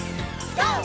ＧＯ！